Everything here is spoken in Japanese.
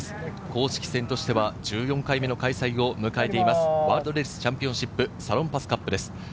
公式戦としては１４回目の開催を迎えています、ワールドレディスチャンピオンシップサロンパスカップです。